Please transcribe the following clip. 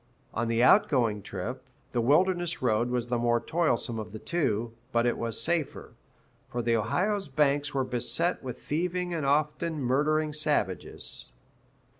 On the out going trip, the Wilderness Road was the more toilsome of the two, but it was safer, for the Ohio's banks were beset with thieving and often murdering savages.